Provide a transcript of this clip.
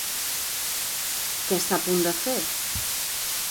Què està a punt de fer?